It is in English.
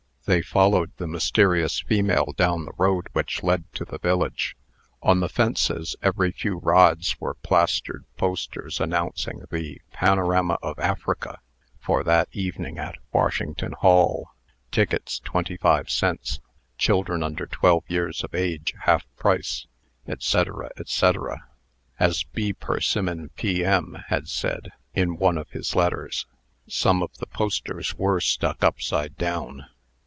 They followed the mysterious female down the road which led to the village. On the fences, every few rods, were plastered posters announcing the "Panorama of Africa" for that evening, at "Washington Hall" "Tickets, twenty five cents" "Children under twelve years of age, half price," &c., &c. As B. Persimmon, P.M., had said, in one of his letters, some of the posters were stuck upside down.